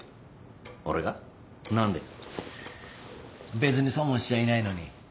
別に損もしちゃいないのに。